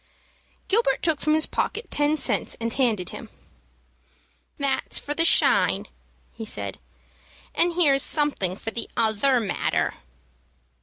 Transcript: Gilbert took from his pocket ten cents and handed him. "That's for the shine," he said; "and here's something for the other matter."